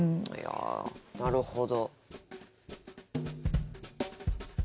なるほど。